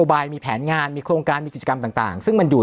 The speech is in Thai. บายมีแผนงานมีโครงการมีกิจกรรมต่างซึ่งมันอยู่